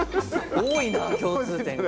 多いな、共通点が。